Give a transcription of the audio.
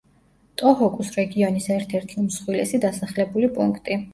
ტოჰოკუს რეგიონის ერთ-ერთი უმსხვილესი დასახლებული პუნქტი.